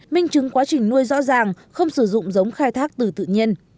minh chứng quá trình nuôi rõ ràng không sử dụng giống khai thác từ tự nhiên